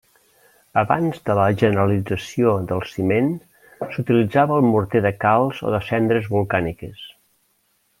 Abans de la generalització del ciment s'utilitzava el morter de calç o de cendres volcàniques.